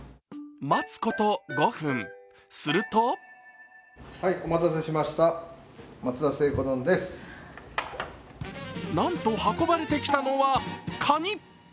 待つこと５分するとなんと、運ばれてきたのはかに。